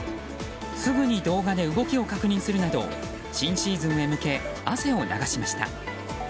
すぐに動画で動きを確認するなど新シーズンへ向け汗を流しました。